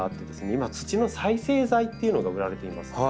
今土の再生材っていうのが売られています。